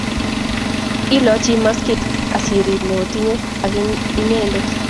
ilochi maskit asiriib ne otinye ak inyende